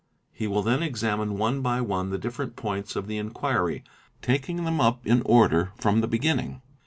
He will then .examine one by one the different points of the VTA EI el Fea | Gd inquiry, taking them up in order from the beginning.